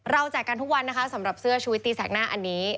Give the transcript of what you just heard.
แจกกันทุกวันนะคะสำหรับเสื้อชูวิตตีแสกหน้าอันนี้